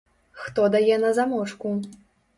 Хто дае на замочку?